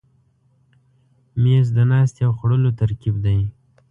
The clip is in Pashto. مېز د ناستې او خوړلو ترکیب دی.